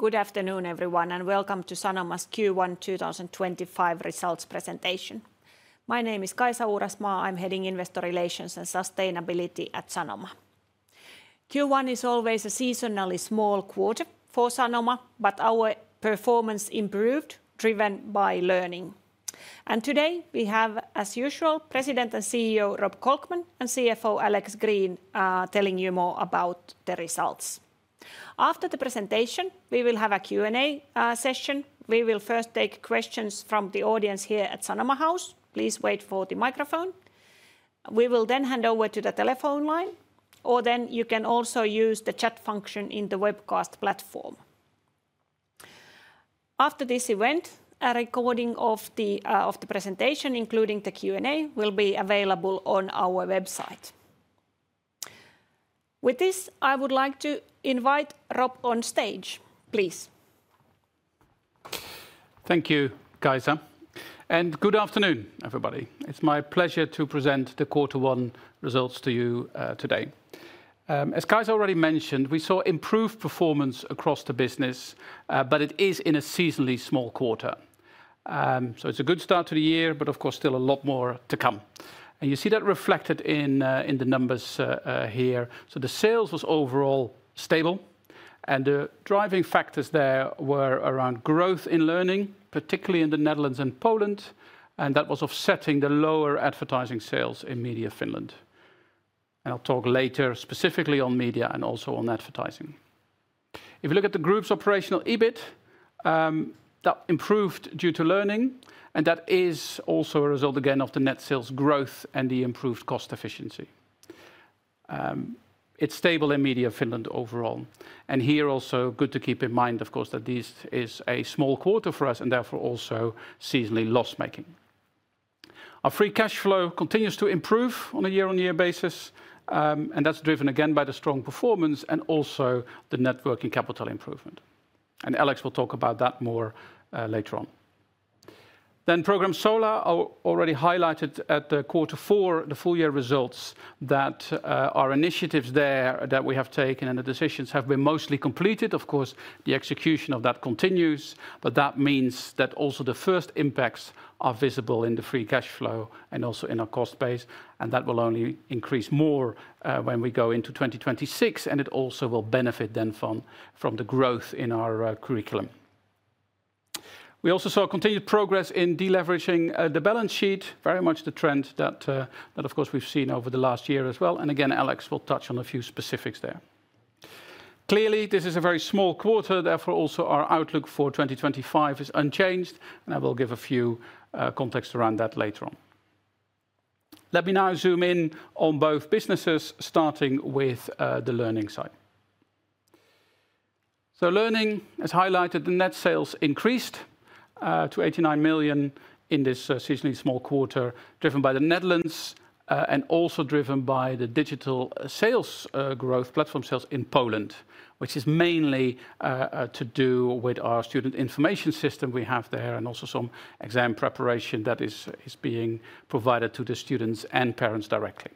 Good afternoon, everyone, and welcome to Sanoma's Q1 2025 results presentation. My name is Kaisa Uurasmaa. I'm heading Investor Relations and Sustainability at Sanoma. Q1 is always a seasonally small quarter for Sanoma, but our performance improved, driven by Learning. Today we have, as usual, President and CEO Rob Kolkman and CFO Alex Green telling you more about the results. After the presentation, we will have a Q&A session. We will first take questions from the audience here at Sanoma House. Please wait for the microphone. We will then hand over to the telephone line, or you can also use the chat function in the webcast platform. After this event, a recording of the presentation, including the Q&A, will be available on our website. With this, I would like to invite Rob on stage. Please. Thank you, Kaisa. Good afternoon, everybody. It's my pleasure to present the Q1 results to you today. As Kaisa already mentioned, we saw improved performance across the business, but it is in a seasonally small quarter. It's a good start to the year, but of course, still a lot more to come. You see that reflected in the numbers here. The sales was overall stable, and the driving factors there were around growth in Learning, particularly in the Netherlands and Poland, and that was offsetting the lower advertising sales in Media Finland. I'll talk later specifically on media and also on advertising. If you look at the group's operational EBIT, that improved due to Learning, and that is also a result again of the net sales growth and the improved cost efficiency. It's stable in Media Finland overall. Here also, good to keep in mind, of course, that this is a small quarter for us and therefore also seasonally loss-making. Our free cash flow continues to improve on a year-on-year basis, and that's driven again by the strong performance and also the working capital improvement. Alex will talk about that more later on. Program Solar already highlighted at the quarter four, the full year results, that our initiatives there that we have taken and the decisions have been mostly completed. Of course, the execution of that continues, but that means that also the first impacts are visible in the free cash flow and also in our cost base, and that will only increase more when we go into 2026, and it also will benefit then from the growth in our curriculum. We also saw continued progress in deleveraging the balance sheet, very much the trend that, of course, we've seen over the last year as well. Again, Alex will touch on a few specifics there. Clearly, this is a very small quarter, therefore also our outlook for 2025 is unchanged, and I will give a few contexts around that later on. Let me now zoom in on both businesses, starting with the Learning side. Learning, as highlighted, the net sales increased to 89 million in this seasonally small quarter, driven by the Netherlands and also driven by the digital sales growth, platform sales in Poland, which is mainly to do with our student information system we have there and also some exam preparation that is being provided to the students and parents directly.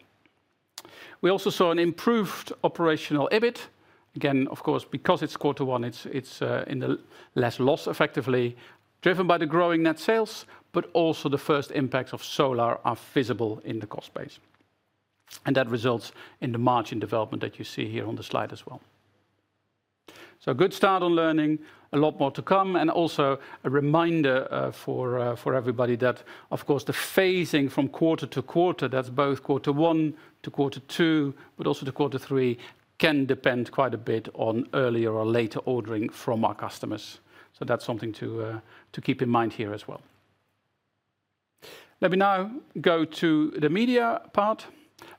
We also saw an improved operational EBIT. Again, of course, because it's quarter one, it's in the less loss effectively, driven by the growing net sales, but also the first impacts of Solar are visible in the cost base. That results in the margin development that you see here on the slide as well. Good start on Learning, a lot more to come, and also a reminder for everybody that, of course, the phasing from quarter to quarter, that's both quarter one to quarter two, but also to quarter three, can depend quite a bit on earlier or later ordering from our customers. That's something to keep in mind here as well. Let me now go to the media part.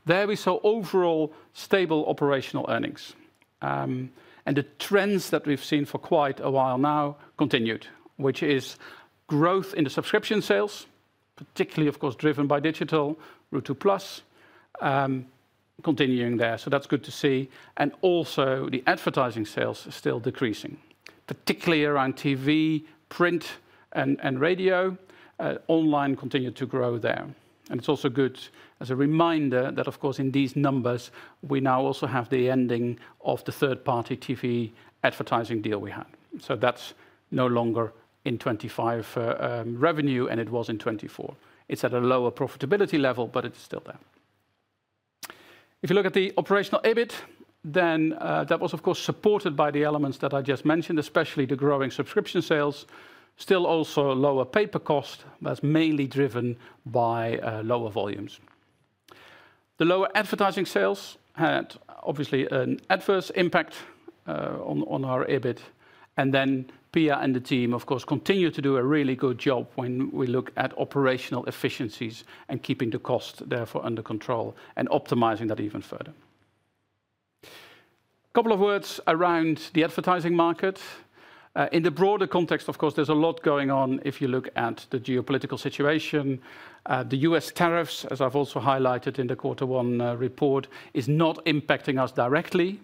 There we saw overall stable operational earnings. The trends that we've seen for quite a while now continued, which is growth in the subscription sales, particularly, of course, driven by digital Ruutu+, continuing there. That's good to see. Also, the advertising sales are still decreasing, particularly around TV, print, and radio. Online continued to grow there. It's also good as a reminder that, of course, in these numbers, we now also have the ending of the third-party TV advertising deal we had. That's no longer in 2025 revenue, and it was in 2024. It's at a lower profitability level, but it's still there. If you look at the operational EBIT, that was, of course, supported by the elements that I just mentioned, especially the growing subscription sales, still also lower paper cost that's mainly driven by lower volumes. The lower advertising sales had obviously an adverse impact on our EBIT. Pia and the team, of course, continue to do a really good job when we look at operational efficiencies and keeping the cost therefore under control and optimizing that even further. A couple of words around the advertising market. In the broader context, of course, there is a lot going on. If you look at the geopolitical situation, the U.S. tariffs, as I have also highlighted in the quarter one report, are not impacting us directly.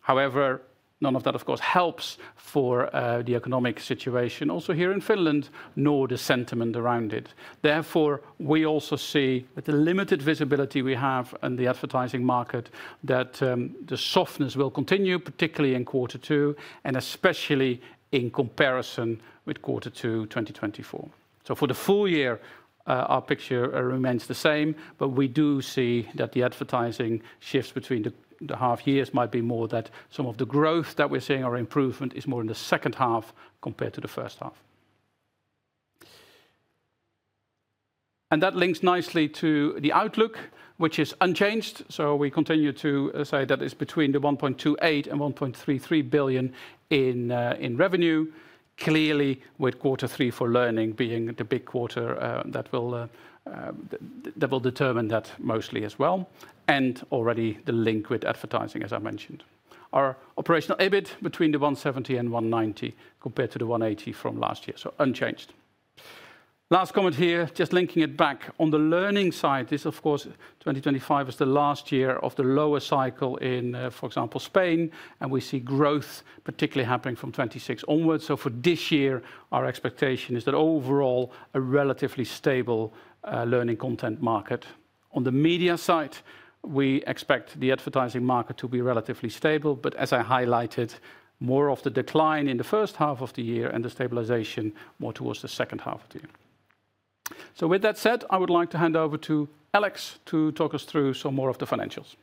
However, none of that, of course, helps for the economic situation also here in Finland, nor the sentiment around it. Therefore, we also see with the limited visibility we have in the advertising market that the softness will continue, particularly in quarter two, and especially in comparison with quarter two 2024. For the full year, our picture remains the same, but we do see that the advertising shifts between the half years might be more, that some of the growth that we're seeing or improvement is more in the second half compared to the first half. That links nicely to the outlook, which is unchanged. We continue to say that it's between 1.28 billion and 1.33 billion in revenue, clearly with quarter three for Learning being the big quarter that will determine that mostly as well, and already the link with advertising, as I mentioned. Our operational EBIT is between 170 million and 190 million compared to the 180 million from last year, so unchanged. Last comment here, just linking it back on the Learning side, this, of course, 2025 is the last year of the lower cycle in, for example, Spain, and we see growth particularly happening from 2026 onwards. For this year, our expectation is that overall a relatively stable Learning content market. On the media side, we expect the advertising market to be relatively stable, but as I highlighted, more of the decline in the first half of the year and the stabilization more towards the second half of the year. With that said, I would like to hand over to Alex to talk us through some more of the financials.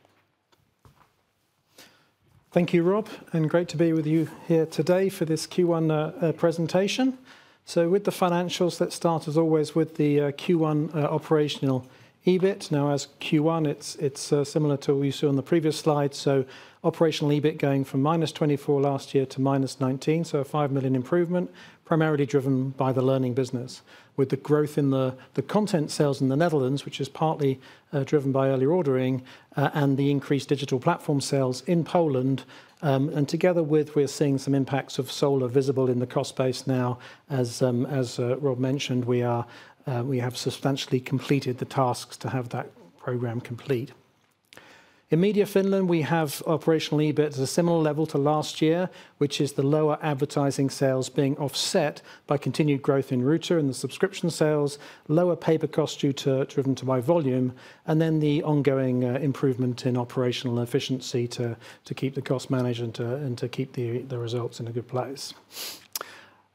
Thank you, Rob, and great to be with you here today for this Q1 presentation. With the financials, let's start as always with the Q1 operational EBIT. Now, as Q1, it's similar to what you saw on the previous slide. Operational EBIT is going from minus 24 last year to minus 19, so a 5 million improvement, primarily driven by the Learning business, with the growth in the content sales in the Netherlands, which is partly driven by early ordering, and the increased digital platform sales in Poland. Together with, we're seeing some impacts of Solar visible in the cost base now, as Rob mentioned, we have substantially completed the tasks to have that program complete. In Media Finland, we have operational EBIT at a similar level to last year, which is the lower advertising sales being offset by continued growth in Ruutu+ and the subscription sales, lower paper costs driven by volume, and then the ongoing improvement in operational efficiency to keep the cost management and to keep the results in a good place.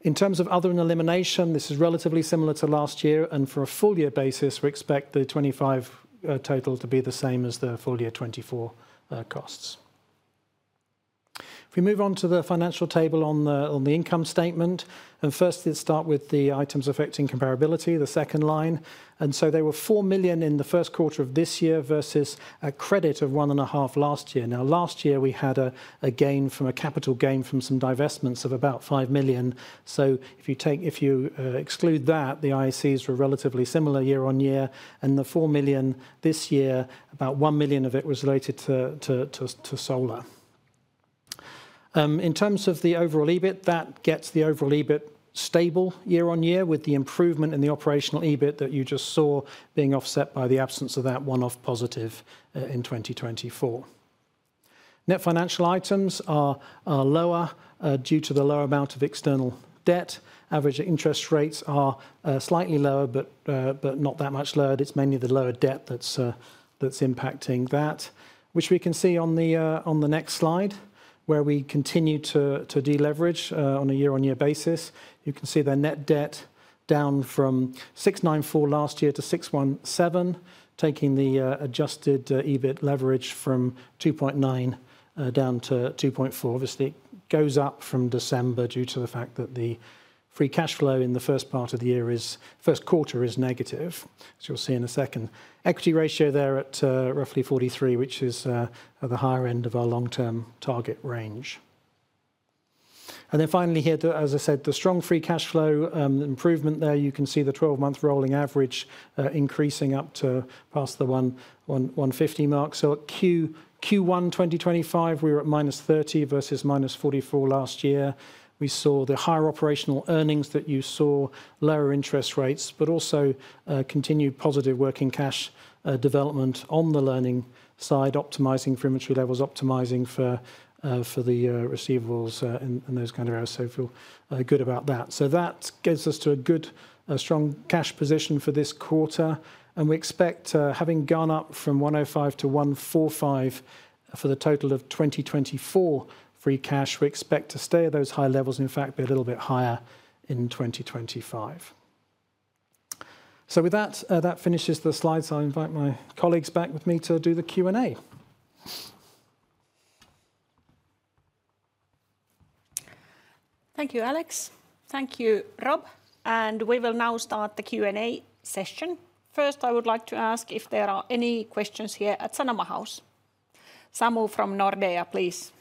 In terms of other and elimination, this is relatively similar to last year, and for a full year basis, we expect the 2025 total to be the same as the full year 2024 costs. If we move on to the financial table on the income statement, first let's start with the items affecting comparability, the second line. There were 4 million in the first quarter of this year versus a credit of 1.5 million last year. Now, last year we had a gain from a capital gain from some divestments of about 5 million. If you exclude that, the ICs were relatively similar year on year, and the 4 million this year, about 1 million of it was related to Solar. In terms of the overall EBIT, that gets the overall EBIT stable year on year with the improvement in the operational EBIT that you just saw being offset by the absence of that one-off positive in 2024. Net financial items are lower due to the lower amount of external debt. Average interest rates are slightly lower, but not that much lower. It is mainly the lower debt that is impacting that, which we can see on the next slide where we continue to deleverage on a year-on-year basis. You can see the net debt down from 694 million last year to 617 million, taking the adjusted EBIT leverage from 2.9 down to 2.4. Obviously, it goes up from December due to the fact that the free cash flow in the first part of the year, first quarter, is negative, as you'll see in a second. Equity ratio there at roughly 43%, which is at the higher end of our long-term target range. Finally here, as I said, the strong free cash flow improvement there, you can see the 12-month rolling average increasing up to past the 150 million mark. Q1 2025, we were at -30 million versus -44 million last year. We saw the higher operational earnings that you saw, lower interest rates, but also continued positive working capital development on the Learning side, optimizing for inventory levels, optimizing for the receivables and those kind of errors. Feel good about that. That gives us a good, strong cash position for this quarter. We expect, having gone up from 105 million-145 million for the total of 2024 free cash, to stay at those high levels, in fact, be a little bit higher in 2025. With that, that finishes the slides. I invite my colleagues back with me to do the Q&A. Thank you, Alex. Thank you, Rob. We will now start the Q&A session. First, I would like to ask if there are any questions here at Sanoma House. Samu from Nordea, please.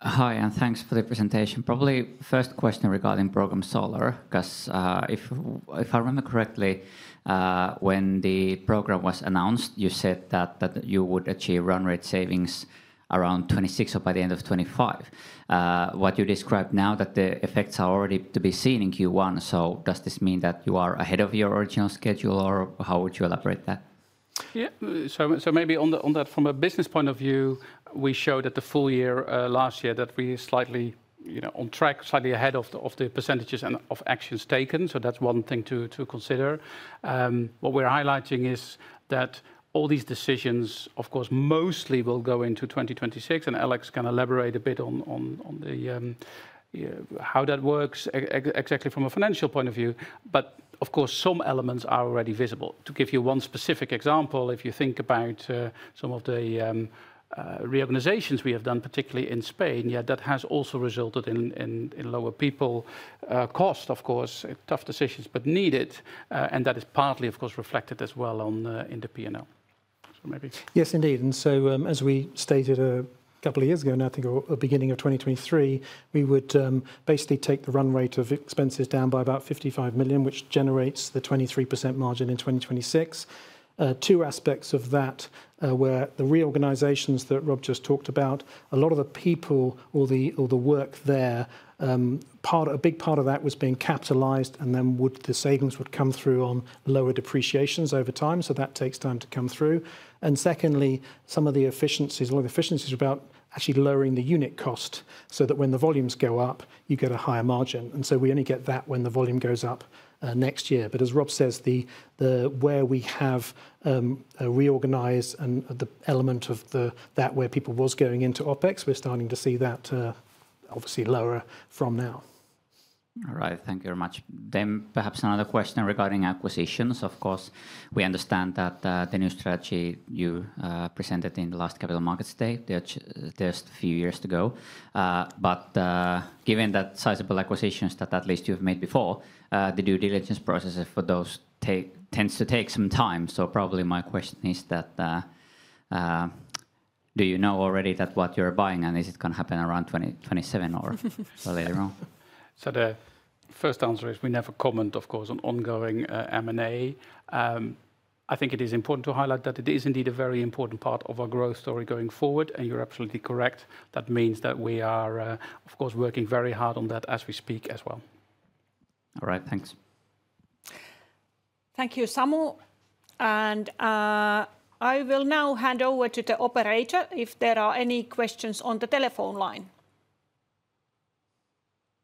Hi, and thanks for the presentation. Probably first question regarding program Solar, because if I remember correctly, when the program was announced, you said that you would achieve run rate savings around 26 or by the end of 2025. What you described now, that the effects are already to be seen in Q1, does this mean that you are ahead of your original schedule or how would you elaborate that? Yeah, so maybe on that, from a business point of view, we showed at the full year last year that we are slightly on track, slightly ahead of the percentages and of actions taken. That's one thing to consider. What we're highlighting is that all these decisions, of course, mostly will go into 2026, and Alex can elaborate a bit on how that works exactly from a financial point of view, but of course, some elements are already visible. To give you one specific example, if you think about some of the reorganizations we have done, particularly in Spain, yeah, that has also resulted in lower people cost, of course, tough decisions, but needed, and that is partly, of course, reflected as well in the P&L. So maybe. Yes, indeed. As we stated a couple of years ago, and I think beginning of 2023, we would basically take the run rate of expenses down by about 55 million, which generates the 23% margin in 2026. Two aspects of that were the reorganizations that Rob just talked about. A lot of the people or the work there, a big part of that was being capitalized, and then the savings would come through on lower depreciations over time. That takes time to come through. Secondly, some of the efficiencies, a lot of efficiencies are about actually lowering the unit cost so that when the volumes go up, you get a higher margin. We only get that when the volume goes up next year. As Rob says, where we have reorganized and the element of that where people was going into OpEx, we're starting to see that obviously lower from now. All right, thank you very much. Perhaps another question regarding acquisitions. Of course, we understand that the new strategy you presented in the last capital markets day, just a few years ago. Given that sizable acquisitions that at least you've made before, the due diligence process for those tends to take some time. Probably my question is that, do you know already what you're buying and is it going to happen around 2027 or later on? The first answer is we never comment, of course, on ongoing M&A. I think it is important to highlight that it is indeed a very important part of our growth story going forward, and you're absolutely correct. That means that we are, of course, working very hard on that as we speak as well. All right, thanks. Thank you, Samu. I will now hand over to the operator if there are any questions on the telephone line.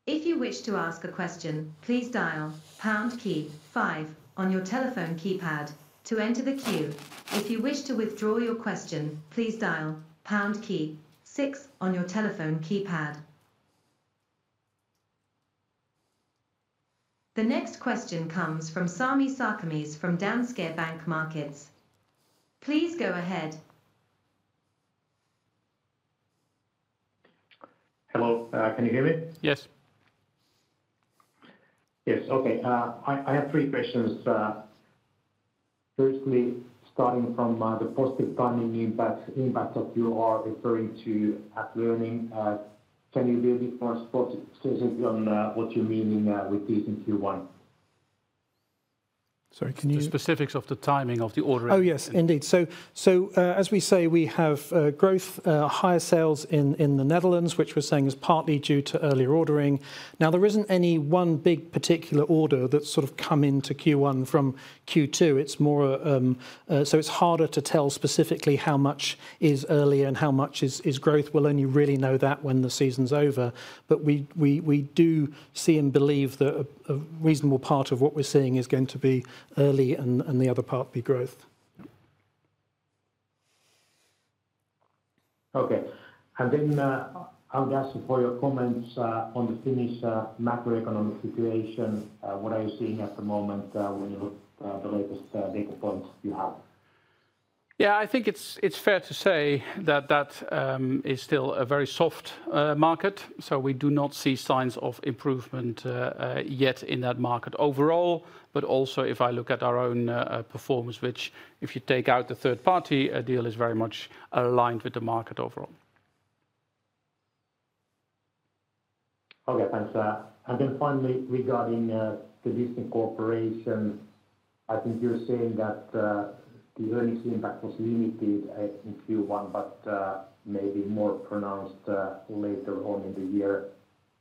If you wish to ask a question, please dial pound key five on your telephone keypad to enter the queue. If you wish to withdraw your question, please dial pound key six on your telephone keypad. The next question comes from Sami Sarkamies from Danske Bank Markets. Please go ahead. Hello, can you hear me? Yes. Yes, okay. I have three questions. Firstly, starting from the positive timing impact that you are referring to at Learning, can you be a bit more specific on what you mean with this in Q1? Sorry, can you? The specifics of the timing of the ordering. Oh, yes, indeed. As we say, we have growth, higher sales in the Netherlands, which we are saying is partly due to early ordering. There is not any one big particular order that has come into Q1 from Q2. It is harder to tell specifically how much is early and how much is growth. We will only really know that when the season is over. We do see and believe that a reasonable part of what we are seeing is going to be early and the other part be growth. Okay. I will just ask you for your comments on the Finnish macroeconomic situation. What are you seeing at the moment when you look at the latest data points you have? Yeah, I think it's fair to say that that is still a very soft market. We do not see signs of improvement yet in that market overall. Also, if I look at our own performance, which if you take out the third-party deal, is very much aligned with the market overall. Okay, thanks for that. Finally, regarding the Disney cooperation, I think you're saying that the earnings impact was limited in Q1, but maybe more pronounced later on in the year.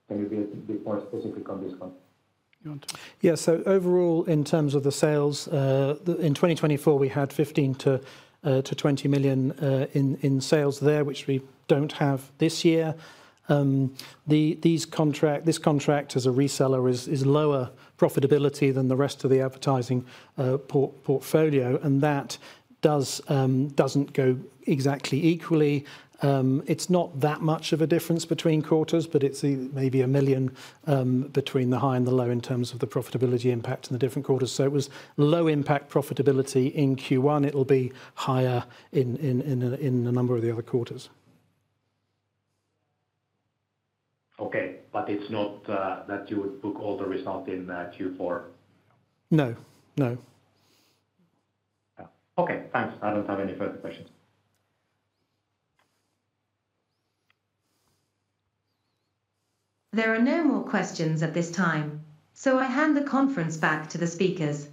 Can you be a bit more specific on this one? Yeah, so overall, in terms of the sales, in 2024, we had 15 million-20 million in sales there, which we do not have this year. This contract as a reseller is lower profitability than the rest of the advertising portfolio, and that does not go exactly equally. It is not that much of a difference between quarters, but it is maybe a million between the high and the low in terms of the profitability impact in the different quarters. It was low impact profitability in Q1. It will be higher in a number of the other quarters. Okay, but it's not that you would book all the result in Q4? No, no. Okay, thanks. I don't have any further questions. There are no more questions at this time, so I hand the conference back to the speakers.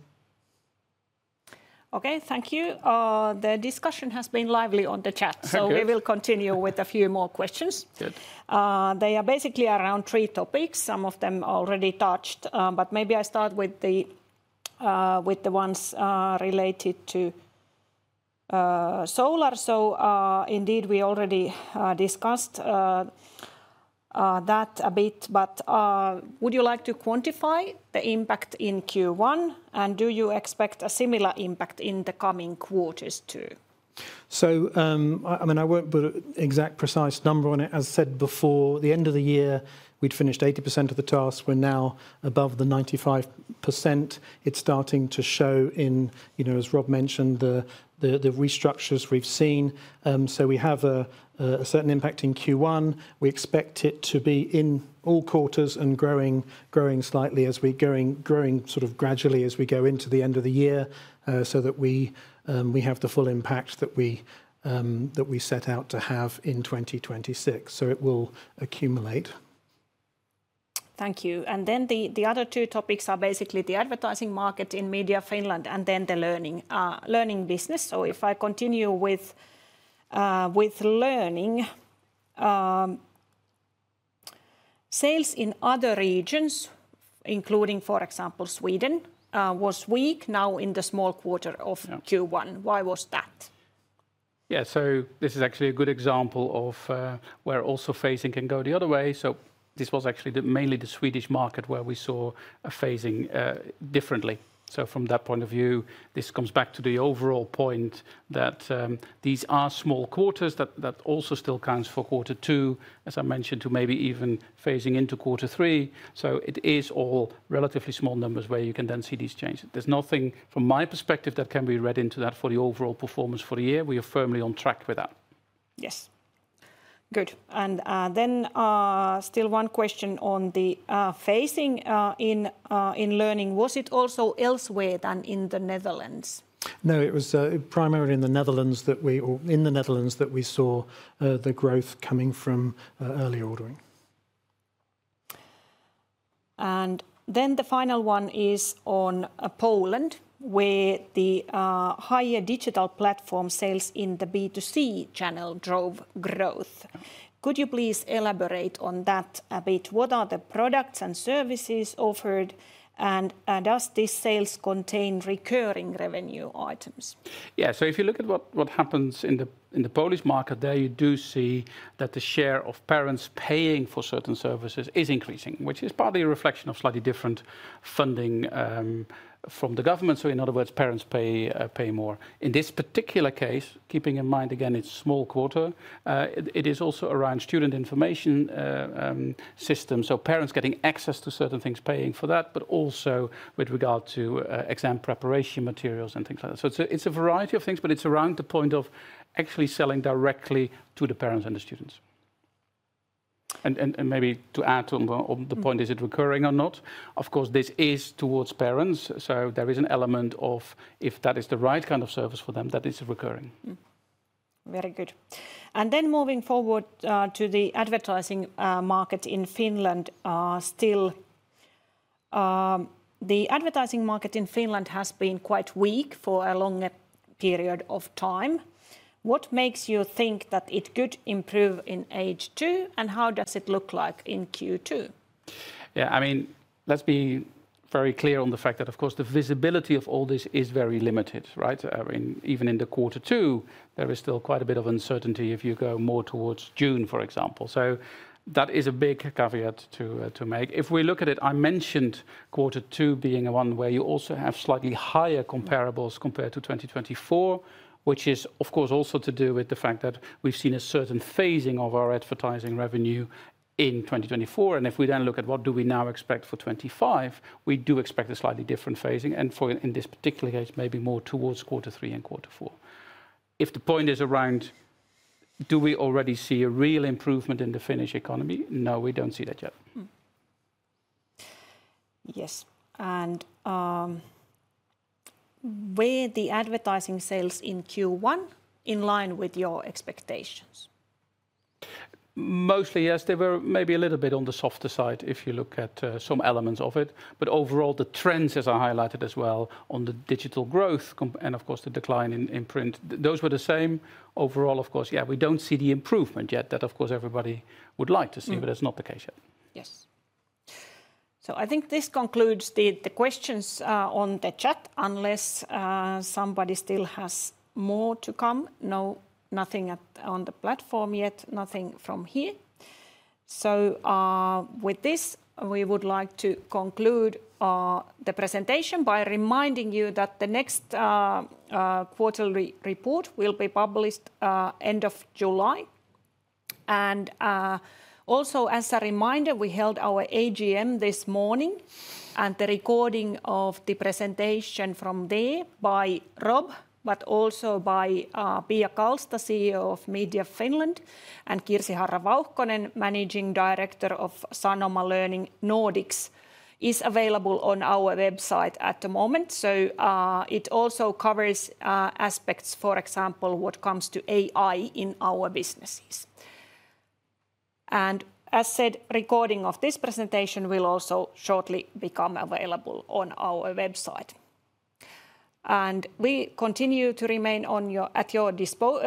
Okay, thank you. The discussion has been lively on the chat, so we will continue with a few more questions. They are basically around three topics, some of them already touched, but maybe I start with the ones related to Solar. Indeed, we already discussed that a bit, but would you like to quantify the impact in Q1, and do you expect a similar impact in the coming quarters too? I mean, I won't put an exact precise number on it. As I said before, the end of the year, we'd finished 80% of the tasks. We're now above the 95%. It's starting to show in, as Rob mentioned, the restructures we've seen. We have a certain impact in Q1. We expect it to be in all quarters and growing slightly as we grow sort of gradually as we go into the end of the year so that we have the full impact that we set out to have in 2026. It will accumulate. Thank you. The other two topics are basically the advertising market in Media Finland and the Learning business. If I continue with Learning, sales in other regions, including, for example, Sweden, was weak now in the small quarter of Q1. Why was that? Yeah, this is actually a good example of where also phasing can go the other way. This was actually mainly the Swedish market where we saw a phasing differently. From that point of view, this comes back to the overall point that these are small quarters that also still counts for quarter two, as I mentioned, to maybe even phasing into quarter three. It is all relatively small numbers where you can then see these changes. There is nothing from my perspective that can be read into that for the overall performance for the year. We are firmly on track with that. Yes. Good. Then still one question on the phasing in Learning. Was it also elsewhere than in the Netherlands? No, it was primarily in the Netherlands that we saw the growth coming from early ordering. The final one is on Poland, where the higher digital platform sales in the B2C channel drove growth. Could you please elaborate on that a bit? What are the products and services offered, and does this sales contain recurring revenue items? Yeah, if you look at what happens in the Polish market there, you do see that the share of parents paying for certain services is increasing, which is partly a reflection of slightly different funding from the government. In other words, parents pay more. In this particular case, keeping in mind, again, it's a small quarter, it is also around student information systems. Parents getting access to certain things, paying for that, but also with regard to exam preparation materials and things like that. It's a variety of things, but it's around the point of actually selling directly to the parents and the students. Maybe to add to the point, is it recurring or not? Of course, this is towards parents. There is an element of if that is the right kind of service for them, that is recurring. Very good. Moving forward to the advertising market in Finland, still the advertising market in Finland has been quite weak for a longer period of time. What makes you think that it could improve in H2? How does it look like in Q2? Yeah, I mean, let's be very clear on the fact that, of course, the visibility of all this is very limited, right? I mean, even in quarter two, there is still quite a bit of uncertainty if you go more towards June, for example. That is a big caveat to make. If we look at it, I mentioned quarter two being one where you also have slightly higher comparables compared to 2024, which is, of course, also to do with the fact that we've seen a certain phasing of our advertising revenue in 2024. If we then look at what do we now expect for 2025, we do expect a slightly different phasing. In this particular case, maybe more towards quarter three and quarter four. If the point is around, do we already see a real improvement in the Finnish economy? No, we don't see that yet. Yes. Were the advertising sales in Q1 in line with your expectations? Mostly, yes. They were maybe a little bit on the softer side if you look at some elements of it. Overall, the trends, as I highlighted as well, on the digital growth and, of course, the decline in print, those were the same. Overall, of course, yeah, we do not see the improvement yet that, of course, everybody would like to see, but that is not the case yet. Yes. I think this concludes the questions on the chat, unless somebody still has more to come. No, nothing on the platform yet, nothing from here. With this, we would like to conclude the presentation by reminding you that the next quarterly report will be published end of July. Also, as a reminder, we held our AGM this morning, and the recording of the presentation from there by Rob, but also by Pia Kalsta, CEO of Media Finland, and Kirsi Harra-Vauhkonen, Managing Director of Sanoma Learning Nordics, is available on our website at the moment. It also covers aspects, for example, what comes to AI in our businesses. As said, recording of this presentation will also shortly become available on our website. We continue to remain at your disposal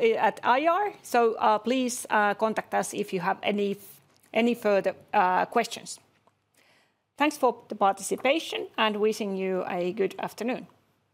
at IR. Please contact us if you have any further questions. Thanks for the participation and wishing you a good afternoon.